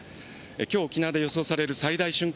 きょう沖縄で予想される最大瞬間